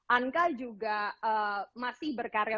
anka juga masih berkarya